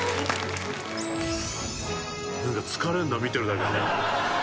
「なんか疲れるな見てるだけで」